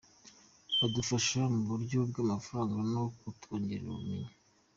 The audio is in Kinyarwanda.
Badufasha mu buryo bw’amafaranga no kutwongerera ubumenyi”.